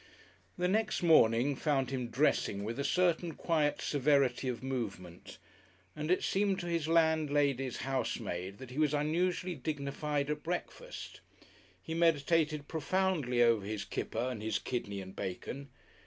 The next morning found him dressing with a certain quiet severity of movement, and it seemed to his landlady's housemaid that he was unusually dignified at breakfast. He meditated profoundly over his kipper and his kidney and bacon.